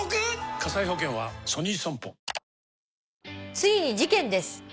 「ついに事件です。